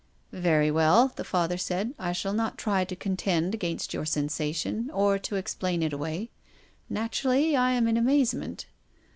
" Very well," the Father said, " I shall not try to contend against your sensation, or to explain it away. Naturally, I am in amazement."